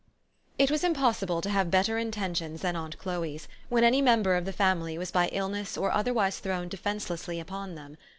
It was impossible to have better intentions than aunt Chloe's, when any member of the family was by illness or otherwise thrown defencelessly upon them.